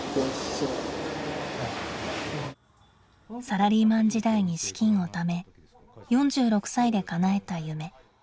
サラリーマン時代に資金をため４６歳でかなえた夢。